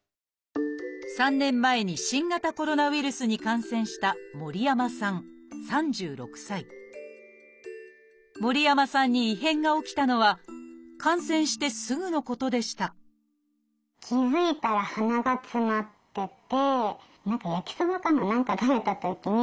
３年前に新型コロナウイルスに感染した森山さんに異変が起きたのは感染してすぐのことでしたっていうか薄いなって感じて